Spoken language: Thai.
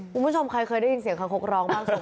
คุณผู้ชมเคยได้ยินเสียงคางคกร้องบ้าง